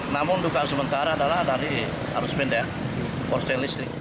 namun dukaan sementara adalah dari arus penda korsten listrik